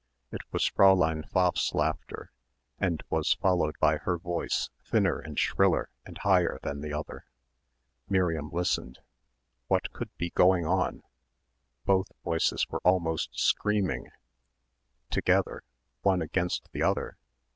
It was Fräulein Pfaff's laughter and was followed by her voice thinner and shriller and higher than the other. Miriam listened. What could be going on? ... both voices were almost screaming ... together ... one against the other ...